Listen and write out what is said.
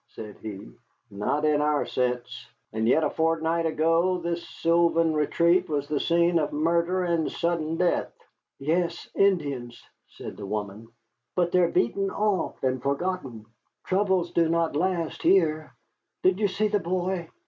said he, "not in our sense. And yet a fortnight ago this sylvan retreat was the scene of murder and sudden death." "Yes, Indians," said the woman; "but they are beaten off and forgotten. Troubles do not last here. Did you see the boy?